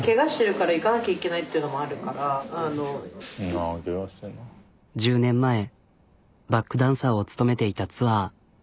まあ１０年前バックダンサーを務めていたツアー。